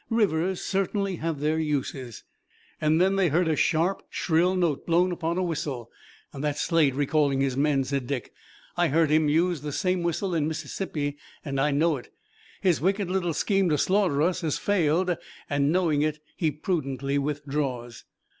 "Rivers certainly have their uses!" Then they heard a sharp, shrill note blown upon a whistle. "That's Slade recalling his men," said Dick. "I heard him use the same whistle in Mississippi and I know it. His wicked little scheme to slaughter us has failed and knowing it he prudently withdraws."